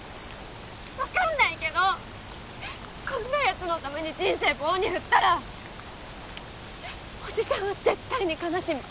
わかんないけどこんな奴のために人生棒に振ったらおじさんは絶対に悲しむ。